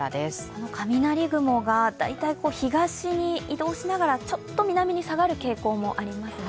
この雷雲が大体、東に移動しながらちょっと南に下がる傾向もあります。